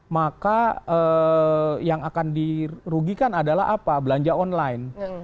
maka yang akan dirugikan adalah apa belanja online